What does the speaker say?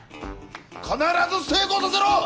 必ず成功させろ！